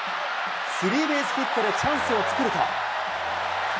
スリーベースヒットでチャンスを作ると。